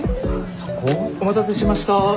そこ？お待たせしました。